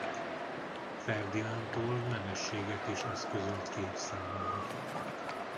Ferdinándtól nemességet is eszközölt ki számára.